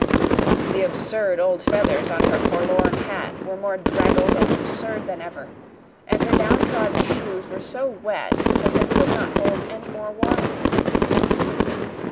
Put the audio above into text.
The absurd old feathers on her forlorn hat were more draggled and absurd than ever, and her downtrodden shoes were so wet that they could not hold any more water.